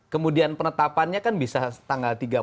kemudian penetapannya kan bisa tanggal tiga puluh